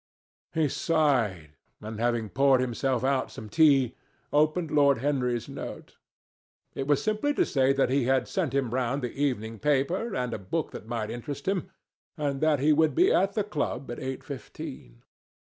He sighed, and having poured himself out some tea, opened Lord Henry's note. It was simply to say that he sent him round the evening paper, and a book that might interest him, and that he would be at the club at eight fifteen.